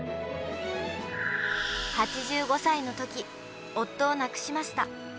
８５歳のとき、夫を亡くしました。